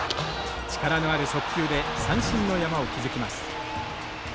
力のある速球で三振の山を築きます。